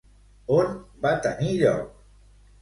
On va tenir lloc?